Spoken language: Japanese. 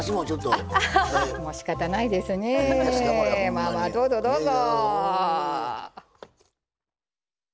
まあまあどうぞどうぞ！